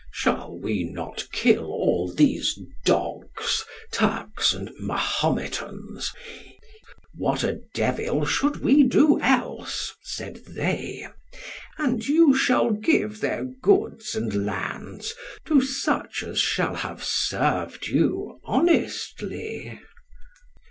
Shall we not kill all these dogs, Turks and Mahometans? What a devil should we do else? said they. And you shall give their goods and lands to such as shall have served you honestly.